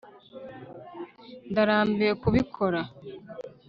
ndarambiwe kubikora